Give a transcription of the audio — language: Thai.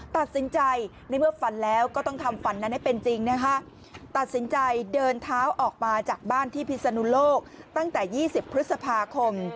ตัดสินใจในเมื่อฝันแล้วก็ต้องทำฝันนั้นให้เป็นจริงนะคะตัดสินใจเดินเท้าออกมาจากบ้านที่พิศนุโลกตั้งแต่๒๐พฤษภาคม